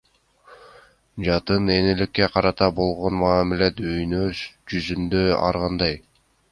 Жатын энеликке карата болгон мамиле дүйнө жүзүндө ар кандай.